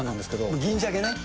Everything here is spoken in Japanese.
銀ジャケね。